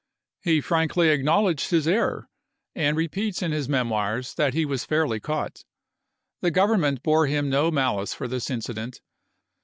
He frankly acknowledged his error, and repeats in his "Memoirs" that he was p. '94." fairly caught. The Government bore him no malice for this incident.